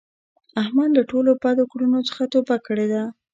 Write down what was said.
احمد له ټولو بدو کړونو څخه توبه کړې ده.